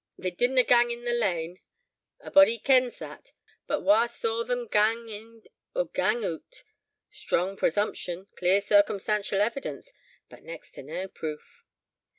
They didna gang in their lane. A'body kens that. But wha saw them gang in or gang oot? Strong presumption, clear circumstantial evidence, but next to nae proof.